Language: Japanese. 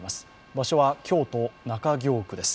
場所は京都・中京区です。